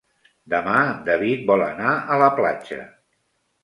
Demà en David vol anar a la platja.